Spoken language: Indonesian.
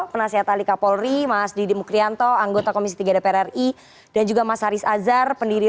penasehat alika polri mas didi mukrianto anggota komisi tiga dpr ri dan juga mas haris azhar pendiri